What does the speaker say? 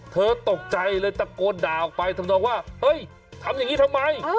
เธอตกใจเลยตะโกนด่าออกไปทำนองว่าเฮ้ยทำอย่างนี้ทำไม